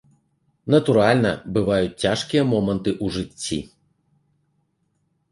Натуральна, бываюць цяжкія моманты ў жыцці.